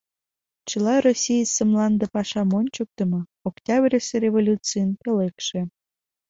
Чыла Российысе мланде пашам ончыктымо — Октябрьысе революцийын пӧлекше.